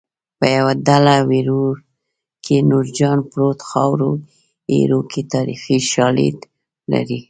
په یوه ډله وریرو کې نورجان پروت خاورو ایرو کې تاریخي شالید لري